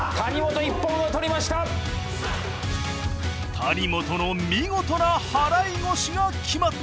谷本の見事な払腰が決まった！